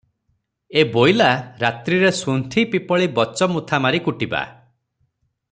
'ଏ ବୋଇଲା, ରାତ୍ରିରେ ଶୁଣ୍ଠି, ପିପ୍ପଳି ବଚ ମୁଥା ମାରି କୁଟିବା ।"